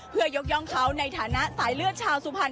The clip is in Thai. เพื่อยกย่องเขาในฐานะสายเลือดชาวสุพรรณ